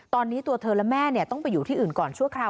ตอนนี้ตัวเธอและแม่ต้องไปอยู่ที่อื่นก่อนชั่วคราว